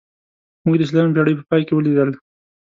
موږ د شلمې پېړۍ په پای کې ولیدل.